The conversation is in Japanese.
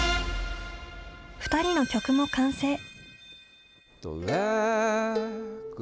２人の曲も完成。